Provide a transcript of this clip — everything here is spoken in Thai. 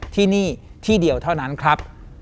ที่นี่ที่เดียวเท่านั้นครับ